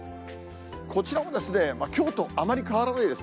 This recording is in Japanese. こちらもきょうとあまり変わらないです。